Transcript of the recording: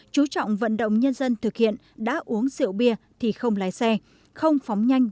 chú trọng vận động nhân dân thực hiện đã uống rượu bia thì không lái xe không phóng nhanh